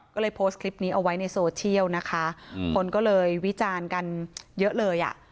ก็เลยโพสต์คลิปนี้เอาไว้ในโซเชียลนะคะคนก็เลยวิจารณ์กันเยอะเลยอ่ะ